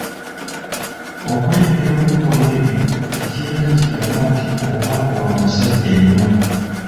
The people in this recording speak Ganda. Okwenyigira mu bikolwa ebyo tekirina kye kiraga nti oba ono musajja nnyo.